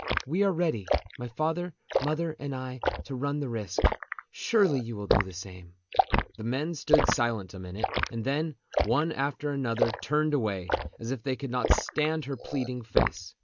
We are ready, my father, mother, and I, to run the risk; surely you will do the same." The men stood silent a minute, and then, one after another, turned away, as if they could not stand her pleading face.